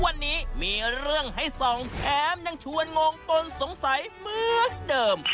วันนี้มีเรื่องให้ส่องแถมยังชวนงงปนสงสัยเหมือนเดิม